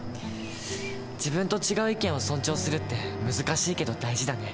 自分と違う意見を尊重するって難しいけど大事だね。